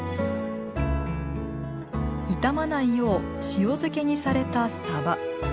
傷まないよう塩漬けにされたさば。